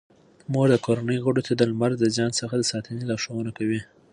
مور د کورنۍ غړو ته د لمر د زیان څخه د ساتنې لارښوونه کوي.